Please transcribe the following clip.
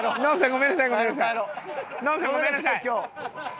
ごめんなさい。